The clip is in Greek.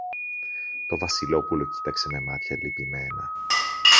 Το Βασιλόπουλο κοίταξε με μάτια λυπημένα